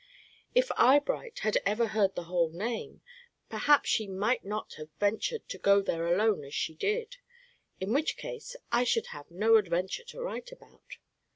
If Eyebright had ever heard the whole name, perhaps she might not have ventured to go there alone as she did, in which case I should have no adventure to write about.